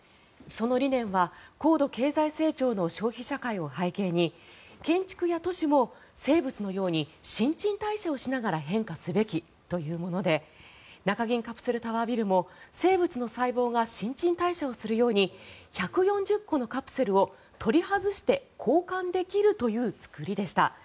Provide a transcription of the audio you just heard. その理念は高度経済成長の消費社会を背景に建築や都市も生物のように新陳代謝をしながら変化すべきというもので中銀カプセルタワービルも生物の細胞が新陳代謝をするように１４０個のカプセルを取り外して交換できるという作りでした。